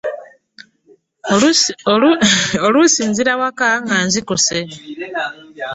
Oluusi nzira awaka nga nzikuse.